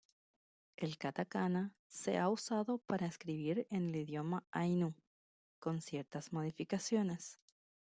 El katakana se ha usado para escribir en el idioma ainu, con ciertas modificaciones.